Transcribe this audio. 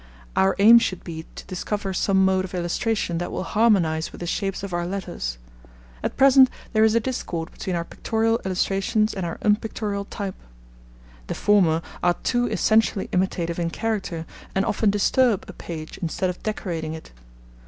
Our aim should be to discover some mode of illustration that will harmonise with the shapes of our letters. At present there is a discord between our pictorial illustrations and our unpictorial type. The former are too essentially imitative in character, and often disturb a page instead of decorating it.